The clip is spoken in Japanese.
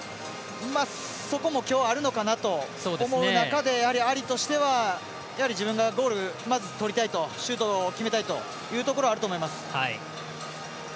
そこも今日あるのかなと思う中でやはり、アリとしてはやはり、自分がゴールをまず取りたいとシュート決めたいというのがあると思います。